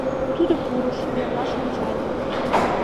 Тудо пурыш, йырваш ончале.